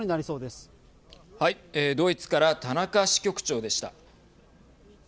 ドイツから田中支局長でした。